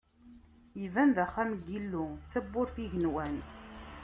Iban d axxam n Yillu, d tabburt n igenwan.